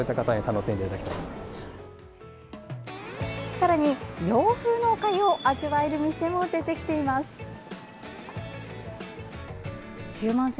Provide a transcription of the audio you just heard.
さらに、洋風のおかゆを味わえる店も出てきています。